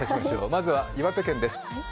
まずは岩手県です。